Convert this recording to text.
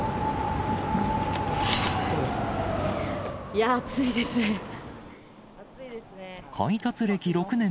いやー、暑いですね。